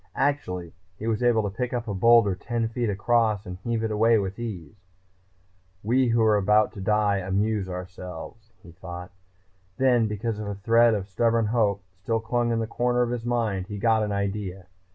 Actually, he was able to pick up a boulder ten feet across and heave it away with ease. We who are about to die amuse ourselves, he thought. Then, because a thread of stubborn hope still clung in a corner of his mind, he got an idea.